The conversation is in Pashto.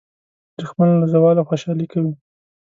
دښمن له زواله خوشالي کوي